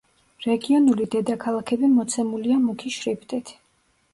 რეგიონული დედაქალაქები მოცემულია მუქი შრიფტით.